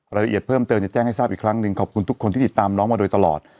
รายละเอียดเพิ่มเติมจะแจ้งให้ทราบอีกครั้งหนึ่งขอบคุณทุกคนที่ติดตามน้องมาโดยตลอด